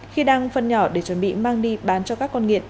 khi đang phân nhỏ để chuẩn bị mang đi bán cho các con nghiện